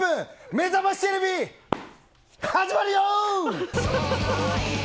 めざましテレビ始まるよ。